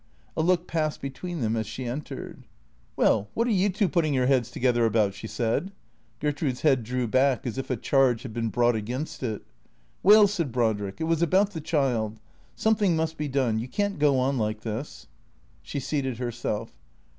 A look passed between them as she entered. " Well, what are you two putting your heads together about ?" she said. Gertrude's head drew back as if a charge had been brought against it. " Well," said Brodrick, " it was about the child. Something must be done. You can't go on like this." She seated herself.